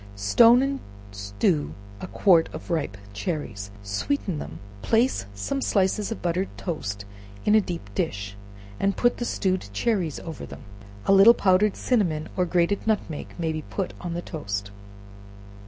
Stone and stew a quart of ripe cherries, sweeten them, place some slices of buttered toast in a deep dish, and put the stewed cherries over them. A little powdered cinnamon or grated nutmeg may be put on the toast.